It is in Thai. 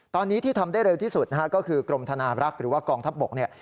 ตอนนี้ที่ทำได้เร็วที่สุดนะฮะก็คือกรมธนารักษ์หรือว่ากองทัพบกเนี่ย